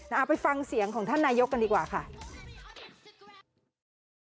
เอาไปฟังเสียงของท่านนายกกันดีกว่าค่ะ